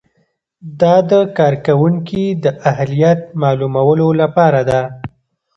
دا د کارکوونکي د اهلیت معلومولو لپاره ده.